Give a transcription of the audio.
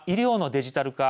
デジタル化